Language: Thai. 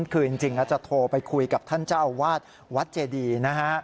คืนจริงแล้วจะโทรไปคุยกับท่านเจ้าอาวาสวัดเจดีนะฮะ